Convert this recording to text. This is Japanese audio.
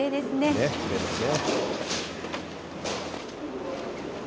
きれいですね。